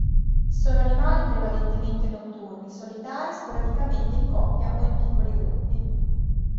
Sono animali prevalentemente notturni, solitari, sporadicamente in coppia o in piccoli gruppi.